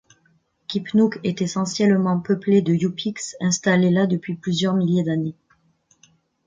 Kipnuk est essentiellement peuplé de Yupiks installés là depuis plusieurs milliers d'années.